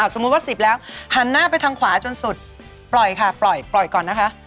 สมมุติว่า๑๐แล้วหันหน้าไปทางขวาจนสุดปล่อยค่ะปล่อยก่อนนะคะ